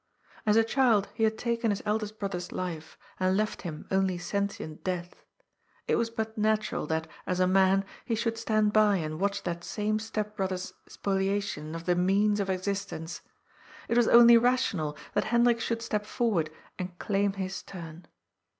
As a child, he had taken his eldest brother's life, and left him only sentient death. It was but natural that, as a man, he should stand by and watch that same step brother's spoliation of the means of existence. It was only rational that Hendrik should step forward and claim his turn.